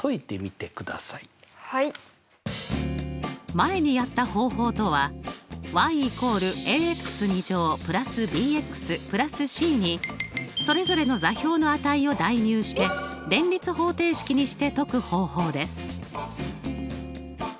前にやった方法とはそれぞれの座標の値を代入して連立方程式にして解く方法です。